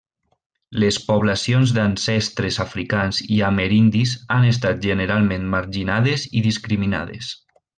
Les poblacions d'ancestres africans i amerindis han estat generalment marginades i discriminades.